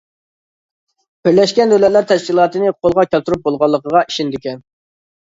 بىرلەشكەن دۆلەتلەر تەشكىلاتىنى قولغا كەلتۈرۈپ بولغانلىقىغا ئىشىنىدىكەن.